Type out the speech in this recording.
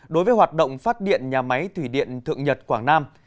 đối với hoạt động phát điện nhà máy thủy điện thượng nhật quảng nam